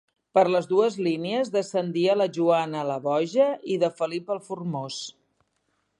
Per les dues línies, descendia de Joana la Boja i de Felip el Formós.